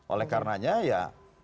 oleh karenanya ya